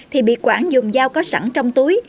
thì bị quảng dùng dao có sẵn trong túi